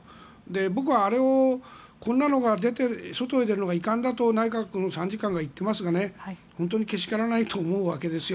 僕はあれをこんなのが外へ出るのは遺憾だと内閣の参事官が言っていますが本当にけしからないと思うわけですよ。